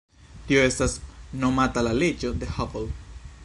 Tio estas nomata la leĝo de Hubble.